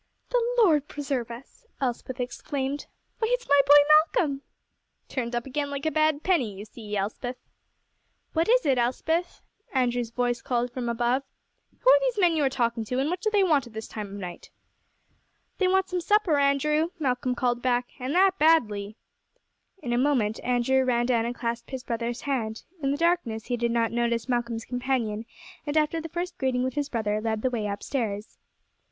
"The Lord preserve us!" Elspeth exclaimed. "Why, it's my boy Malcolm!" "Turned up again like a bad penny, you see, Elspeth." "What is it, Elspeth?" Andrew's voice called from above. "Who are these men you are talking to, and what do they want at this time of night?" "They want some supper, Andrew," Malcolm called back, "and that badly." In a moment Andrew ran down and clasped his brother's hand. In the darkness he did not notice Malcolm's companion, and after the first greeting with his brother led the way up stairs.